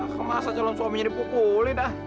kemas aja loh suaminya dipukulin ah